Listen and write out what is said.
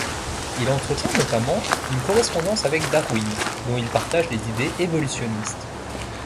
Il entretient notamment une correspondance avec Darwin, dont il partage les idées évolutionnistes.